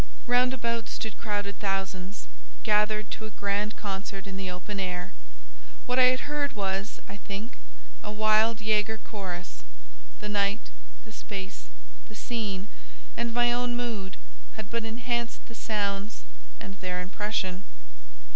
Round about stood crowded thousands, gathered to a grand concert in the open air. What I had heard was, I think, a wild Jäger chorus; the night, the space, the scene, and my own mood, had but enhanced the sounds and their impression.